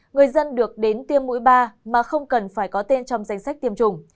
người dân được đến tiêm mũi ba mà không cần phải có tên trong danh sách tiêm chủng